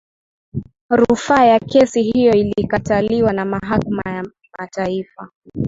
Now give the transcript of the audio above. rufaa ya kesi hiyo iliikataliwa na mahakama ya mataifa